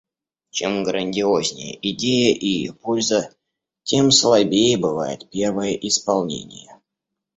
Чем грандиознее идея и ее польза, тем слабее бывает первое исполнение.